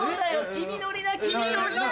君乗りな君乗りな。